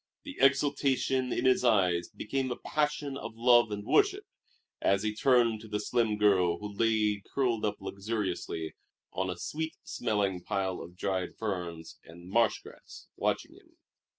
The exultation in his eyes became a passion of love and worship, as he turned to the slim girl who lay curled up luxuriously on a sweet smelling pile of dried ferns and marsh grass, watching him.